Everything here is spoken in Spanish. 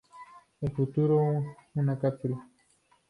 El fruto una cápsula.